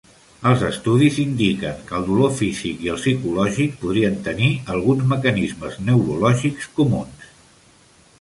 Els estudis indiquen que el dolor físic i el psicològic podrien tenir alguns mecanismes neurològics comuns.